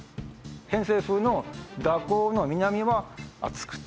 偏西風の蛇行の南は暑くて。